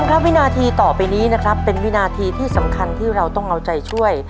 อันนี้ก็เป็นวินาทีที่สำคัญที่เราต้องเอาใจช่วย